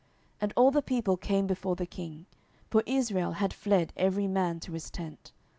And all the people came before the king: for Israel had fled every man to his tent.